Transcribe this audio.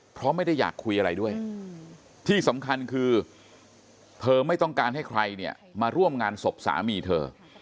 เพราะไม่ได้อยากคุยอะไรด้วยที่สำคัญคือเธอไม่ต้องการให้ใครเนี่ยมาร่วมงานศพสามีเธอ